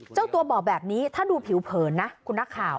เจ้าตัวบอกแบบนี้ถ้าดูผิวเผินนะคุณนักข่าว